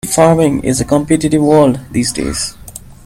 Sheep farming is a competitive world these days.